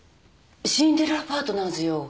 シンデレラパートナーズよ。